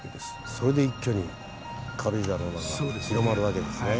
それで一挙に軽井沢の名が広まるわけですね。